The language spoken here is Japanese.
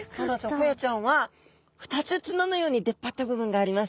ホヤちゃんは２つ角のように出っ張った部分があります。